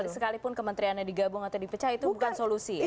sekalipun kementeriannya digabung atau dipecah itu bukan solusi ya